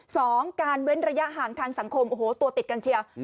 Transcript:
สองการเว้นระยะห่างทางสังคมโอ้โหตัวติดกันเชียว